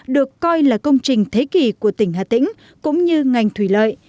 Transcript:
được coi là công trình thế kỷ của tỉnh hà tĩnh cũng như ngành thủy lợi